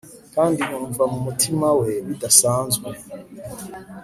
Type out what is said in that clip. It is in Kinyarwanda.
kandi yumva mumutima we bidasanzwe